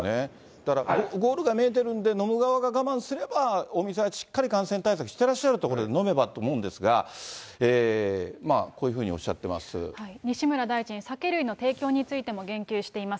だから、ゴールが見えてるんで、飲む側が我慢すれば、お店はしっかり感染対策してらっしゃる所で飲めばと思うんですが、西村大臣、酒類の提供についても言及しています。